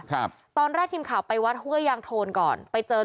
ครับตอนแรกทีมข่าวไปวัดห้วยยางโทนก่อนไปเจอ